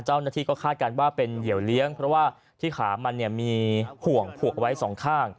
เจ้าหน้าที่ก็คาดการณ์ว่าเป็นเหยียวเลี้ยงเพราะว่าที่ขามันมีห่วงผูกเอาไว้สองข้าง